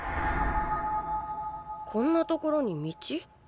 こんな所に道？